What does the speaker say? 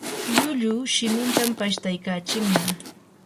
lllullu shimintan pashtaykachinnam.